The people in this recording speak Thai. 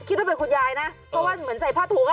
คิดว่าเป็นคุณยายนะเพราะว่าเหมือนใส่ผ้าถุง